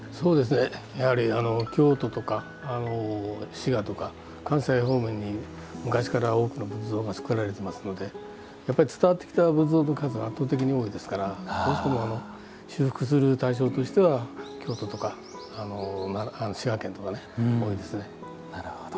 やはり、京都とか滋賀とか関西方面に昔から多くの仏像が作られてますのでやっぱり伝わってきた仏像の数は圧倒的に多いですからどうしても修復する対象としては京都とか滋賀県とか多いですね。